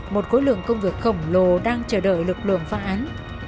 một khối lượng công việc khổng lồ đang chờ đợi lực lượng phá án